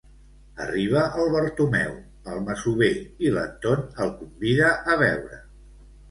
Arriba el Bartomeu, el masover, i l'Anton el convida a beure.